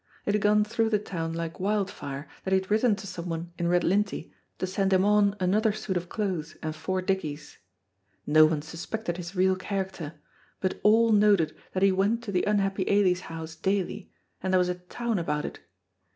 It had gone through the town like wildfire that he had written to someone in Redlintie to send him on another suit of clothes and four dickies. No one suspected his real character, but all noted that he went to the unhappy Ailie's house daily, and there was a town about it.